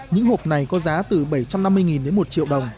những hộp này có giá từ bảy trăm năm mươi đến một triệu đồng